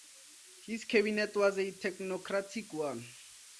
His cabinet was a technocratic one.